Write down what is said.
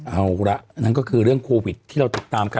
เอาละนั่นก็คือเรื่องโควิดที่เราติดตามกัน